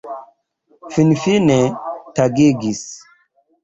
Finfine tagigis!